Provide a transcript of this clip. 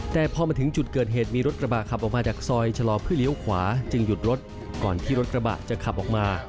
แต่พอมาถึงจุดเกิดเหตุมีรถกระบะขับออกมาจากซอยชะลอเพื่อเลี้ยวขวาจึงหยุดรถก่อนที่รถกระบะจะขับออกมา